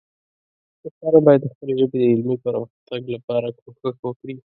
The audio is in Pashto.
پښتانه باید د خپلې ژبې د علمي پرمختګ لپاره کوښښ وکړي.